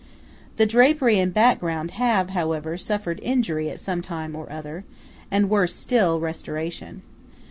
The drapery and background have, however, suffered injury at some time or other; and, worse still, restoration.